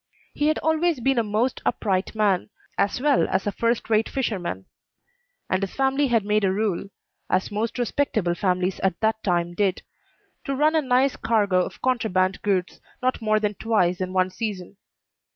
He had always been a most upright man, as well as a first rate fisherman; and his family had made a rule as most respectable families at that time did to run a nice cargo of contraband goods not more than twice in one season.